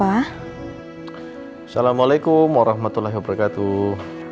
assalamualaikum warahmatullahi wabarakatuh